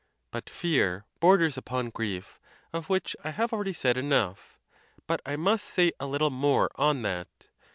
But fear borders upon grief, of which I have al . ready said enough; but I must say a little more on that.